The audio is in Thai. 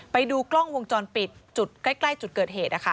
ไปดูกล้องวงจรปิดจุดใกล้จุดเกิดเหตุ